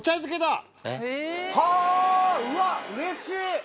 はぁうわっうれしい！